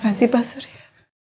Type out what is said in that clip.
makasih pak surya